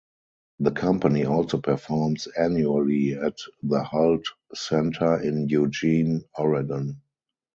The company also performs annually at the Hult Center in Eugene, Oregon.